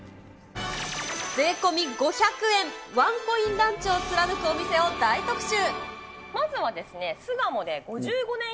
税込み５００円、ワンコインランチを貫くお店を大特集。